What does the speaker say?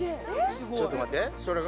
ちょっと待ってそれが。